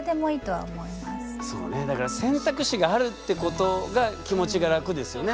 そうねだから選択肢があるってことが気持ちが楽ですよね？